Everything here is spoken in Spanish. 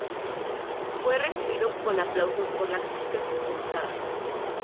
Fue recibido con aplausos por la crítica especializada.